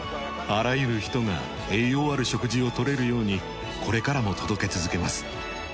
あらゆる人が栄養ある食事を取れるようにこれからも届け続けます。